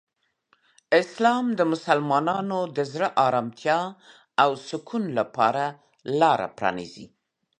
اسلام د مسلمانانو د زړه آرامتیا او سکون لپاره لاره پرانیزي.